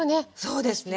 そうですね。